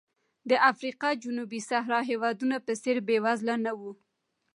د افریقا جنوبي صحرا هېوادونو په څېر بېوزله نه و.